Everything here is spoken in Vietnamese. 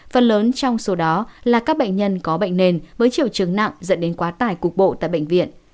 phần lớn trong số đó là các bệnh nhân có bệnh nền với triều chứng nặng dẫn đến quá tải cục bộ tại bệnh viện